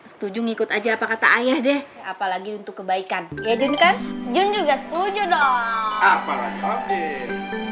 setuju ngikut aja apa kata ayah deh apalagi untuk kebaikan ya jun kan jun juga setuju dong